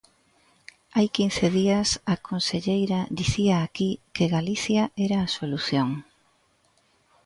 Hai quince días a conselleira dicía aquí que Galicia era a solución.